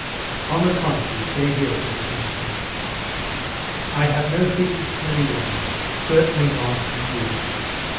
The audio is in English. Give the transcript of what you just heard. "On the contrary, stay here," said Simonson; "I have no secrets from any one, certainly none from you."